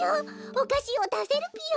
おかしをだせるぴよ。